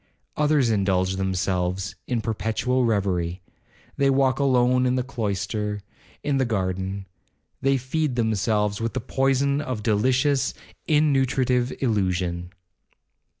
Others indulge themselves in perpetual reverie. They walk alone in the cloister,—in the garden. They feed themselves with the poison of delicious, innutritive illusion.